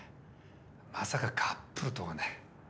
まさかカップルとはね。